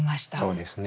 そうですね。